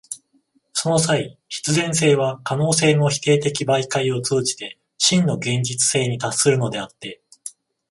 その際、必然性は可能性の否定的媒介を通じて真の現実性に達するのであって、